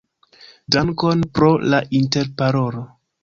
Dankon pro la interparolo.